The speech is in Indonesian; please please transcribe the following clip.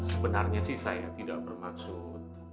sebenarnya sih saya tidak bermaksud